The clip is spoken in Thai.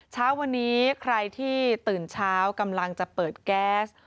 เช้าวันนี้ใครที่ตื่นเช้ากำลังจะเปิดแก๊ส